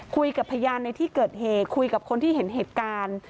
พยานในที่เกิดเหตุคุยกับคนที่เห็นเหตุการณ์